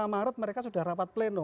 lima maret mereka sudah rapat pleno